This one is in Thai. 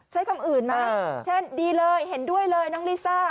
ใช้คำอื่นมาเช่นดีเลยเห็นด้วยเลยน้องลิซ่า